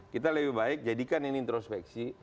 kita lebih baik jadikan ini introspeksi